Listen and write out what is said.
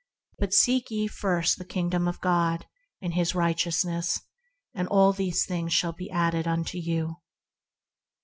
But seek ye first the Kingdom of God, and His Righteousness; and all these things shall be added unto you.